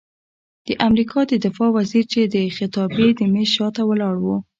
د امریکا د دفاع وزیر چې د خطابې د میز شاته ولاړ و،